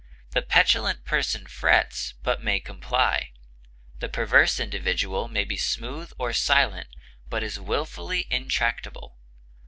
The petulant person frets, but may comply; the perverse individual may be smooth or silent, but is wilfully intractable.